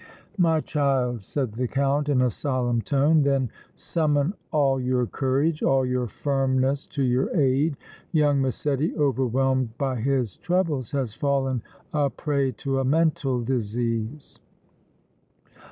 "My child," said the Count, in a solemn tone, "then summon all your courage, all your firmness to your aid! Young Massetti, overwhelmed by his troubles, has fallen a prey to a mental disease!"